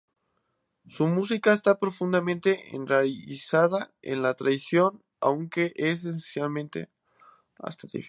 Su música está profundamente enraizada en la tradición, aunque es esencialmente moderna.